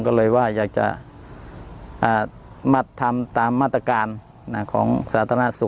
ก็เลยว่าอยากจะทำตามมาตรการของสาธารณสุข